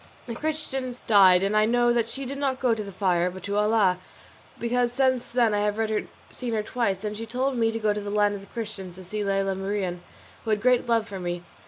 The Christian died, and I know that she did not go to the fire, but to Allah, because since then I have seen her twice, and she told me to go to the land of the Christians to see Lela Marien, who had great love for me.